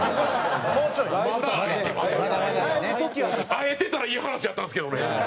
会えてたらいい話やったんですけどね。